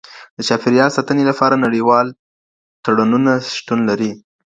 د چاپیریال ساتنې لپاره نړیوال تړونونه شتون لري.